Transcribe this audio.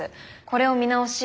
これを見直し